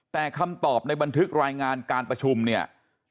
แต่คำตอบในบันทึกรายงานการประชุมเนี่ย